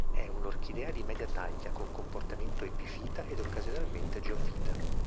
È un'orchidea di media taglia, con comportamento epifita ed occasionalmente geofita.